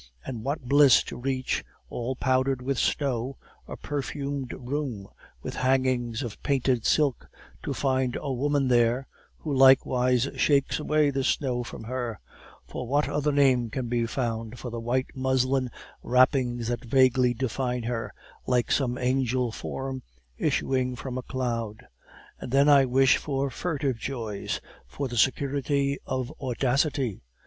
And what bliss to reach, all powdered with snow, a perfumed room, with hangings of painted silk, to find a woman there, who likewise shakes away the snow from her; for what other name can be found for the white muslin wrappings that vaguely define her, like some angel form issuing from a cloud! And then I wish for furtive joys, for the security of audacity.